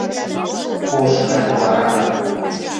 Пош гай овара